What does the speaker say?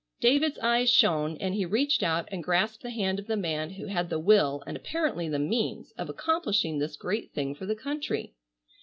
David's eyes shone and he reached out and grasped the hand of the man who had the will and apparently the means of accomplishing this great thing for the country.